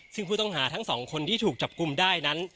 ซึ่งผู้ต้องหาทั้งสองคนที่ถูกจับกลุ่มได้นั้น